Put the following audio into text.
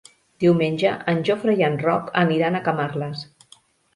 Diumenge en Jofre i en Roc aniran a Camarles.